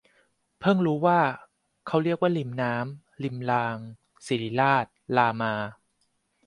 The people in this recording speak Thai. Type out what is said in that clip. เพิ่งรู้ว่าเขาเรียกว่า ริมน้ำ - ริมราง ศิริราช - รามา